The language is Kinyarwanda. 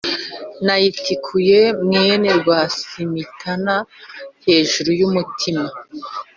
nayitikuye mwene rwasimitana hejuru y’umutima